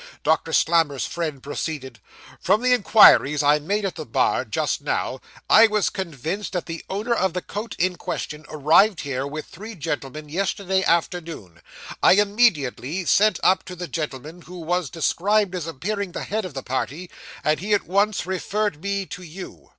Doctor Slammer's friend proceeded: 'From the inquiries I made at the bar, just now, I was convinced that the owner of the coat in question arrived here, with three gentlemen, yesterday afternoon. I immediately sent up to the gentleman who was described as appearing the head of the party, and he at once referred me to you.